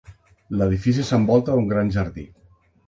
L'edifici s'envolta d'un gran jardí.